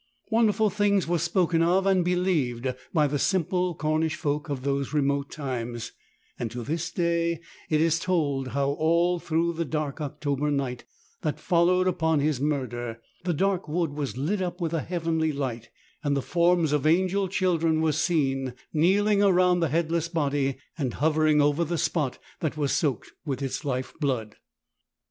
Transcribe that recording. Wonderful things were spoken of and believed by the simple Cornish folk of those remote times, and to this day it is told how all through the dark October night that followed upon his murder, the dark wood was lit up with a heavenly light, and the forms of angel children were seen kneeling around the headless body and hovering over the spot that was soaked with its life blood.